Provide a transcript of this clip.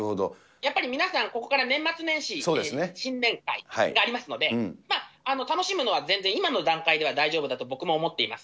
やっぱり皆さん、ここから年末年始、新年会とかありますので、楽しむのは全然、今の段階では大丈夫だと僕も思っています。